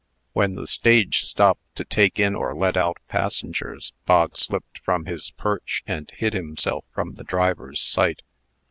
When the stage stopped to take in or let out passengers, Bog slipped from his perch, and hid himself from the driver's sight.